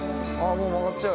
もう曲がっちゃう